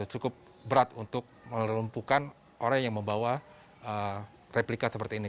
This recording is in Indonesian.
cukup berat untuk melumpuhkan orang yang membawa replika seperti ini